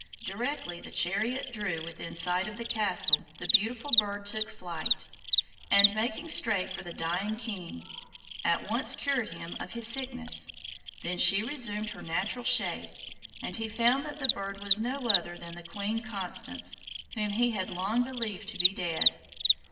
Directly the chariot drew within sight of the castle the beautiful bird took flight, and, making straight for the dying King, at once cured him of his sickness. Then she resumed her natural shape, and he found that the bird was no other than the Queen Constance, whom he had long believed to be dead.